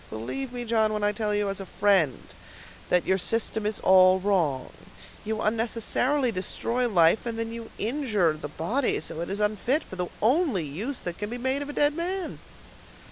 Believe me, John, when I tell you as a friend that your system is all wrong; you unnecessarily destroy life, and then you injure the body so that it is unfit for the only use that can be made of a dead man."